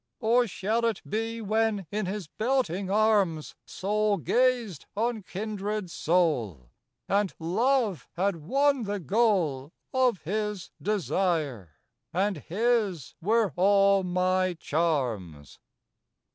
"Or shall it be when, in his belting arms, Soul gazed on kindred soul, And love had won the goal Of his desire, and his were all my charms?